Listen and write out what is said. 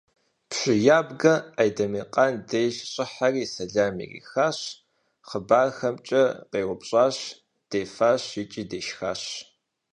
Пщы ябгэ Андемыркъан деж щӀыхьэри сэлам ирихащ хъыбархэмкӀэ къеупщӀащ дефащ икӀи дешхащ.